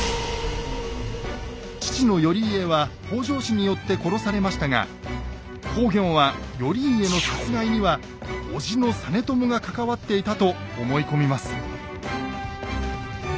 父の頼家は北条氏によって殺されましたが公暁は頼家の殺害には叔父の実朝が関わっていたと思い込みます。